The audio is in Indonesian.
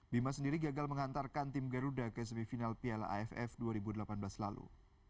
bima sendiri gagal menghantarkan tim garuda ke semifinal piala aff dua ribu delapan belas lalu